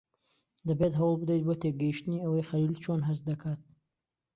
دەبێت هەوڵ بدەیت بۆ تێگەیشتنی ئەوەی خەلیل چۆن هەست دەکات.